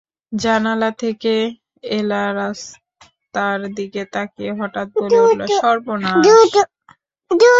জানালা থেকে এলা রাস্তার দিকে তাকিয়ে হঠাৎ বলে উঠল, সর্বনাশ!